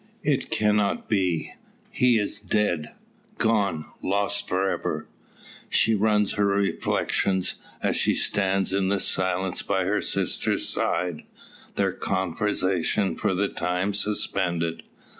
"It cannot be; he is dead gone lost for ever!" So run her reflections, as she stands in silence by her sister's side, their conversation for the time suspended.